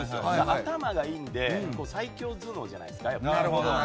頭がいいのでＡの最強頭脳じゃないですか。